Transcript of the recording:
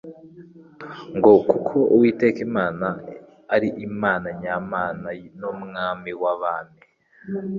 ngo: «Kuko Uwiteka Imana ari Imana nyamana n'Umwami w'abami,